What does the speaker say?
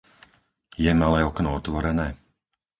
Je malé okno otvorené?